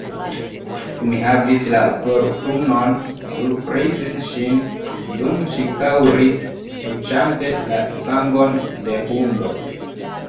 Mi havis la fortunon surprizi ŝin, dum ŝi kaŭris suĉante la sangon de hundo.